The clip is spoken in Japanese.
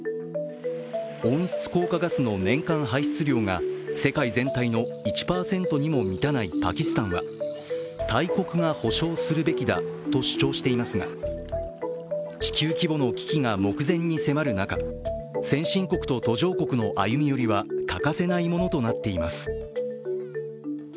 温室効果ガスの年間排出量が世界全体の１％にも満たないパキスタンは大国が補償するべきだと主張していますが、地球規模の危機が目前に迫る中、先進国と途上国の歩み寄りは欠かせないものとなっています。